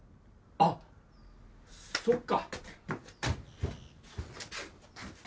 あっそっか。